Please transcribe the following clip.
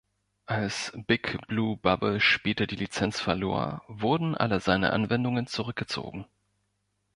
Als Big Blue Bubble später die Lizenz verlor, wurden alle seine Anwendungen zurückgezogen.